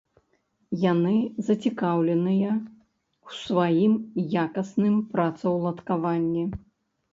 Яны зацікаўленыя ў сваім якасным працаўладкаванні.